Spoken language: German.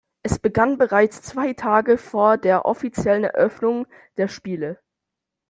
Es begann bereits zwei Tage vor der offiziellen Eröffnung der Spiele.